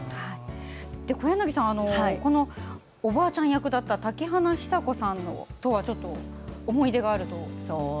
小柳さんはおばあちゃん役だった瀧花久子さんとは思い出があると。